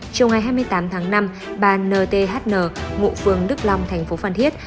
trong ngày hai mươi tám tháng năm bà nthn ngụ phương đức long thành phố phan thiết